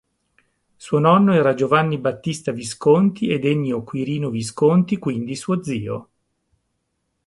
Suo nonno era Giovanni Battista Visconti ed Ennio Quirino Visconti quindi suo zio.